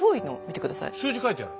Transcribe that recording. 数字書いてある。